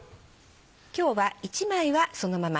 今日は１枚はそのまま。